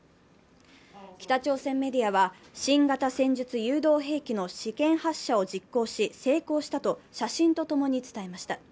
北朝鮮メディアは新型戦術誘導兵器の試験発射を実行し、成功したと写真とともに伝えました。